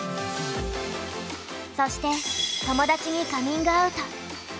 そして友達にカミングアウト。